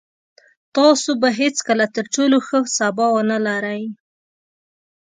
تاسو به هېڅکله تر ټولو ښه سبا ونلرئ.